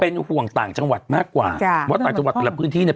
ห่วงต่างจังหวัดมากกว่าจ้ะว่าต่างจังหวัดแต่ละพื้นที่เนี่ย